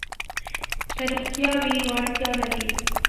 که روغتیا وي نو اړتیا نه وي.